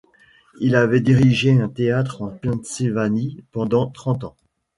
Il avait dirigé un théâtre en Pennsylvanie pendant trente ans.